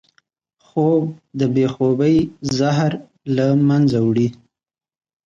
خوب د بې خوبۍ زهر له منځه وړي